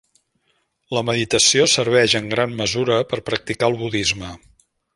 La meditació serveix en gran mesura per practicar el budisme.